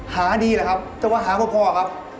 หาดีหรือครับจะว่าหาพ่อครับ